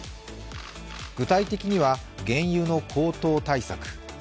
具体的には原油の高騰対策